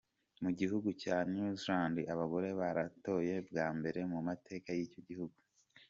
Mu gihugu cya New Zealand, abagore baratoye bwa mbere mu mateka y’icyo gihugu.